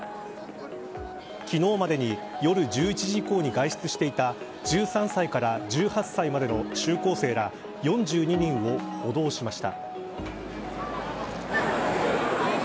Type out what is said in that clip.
昨日までに夜１１時以降に外出していた１３歳から１８歳までの中高生ら４２人を補導しました。